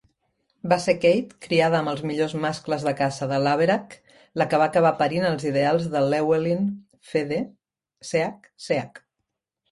Va ser Kate criada amb els millors mascles de caça de Laverack la que va acabar parint els ideals de Llewellin Fd.Ch.Ch.